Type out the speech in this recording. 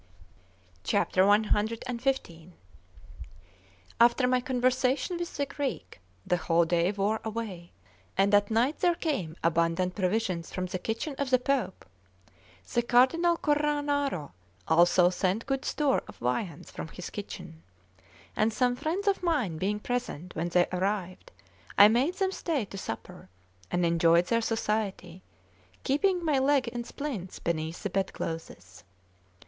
CXV AFTER my conversation with the Greek, the whole day wore away, and at night there came abundant provisions from the kitchen of the Pope; the Cardinal Cornaro also sent good store of viands from his kitchen; and some friends of mine being present when they arrived, I made them stay to supper, and enjoyed their society, keeping my leg in splints beneath the bed clothes.